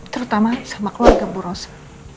terutama sama keluarga bu rosa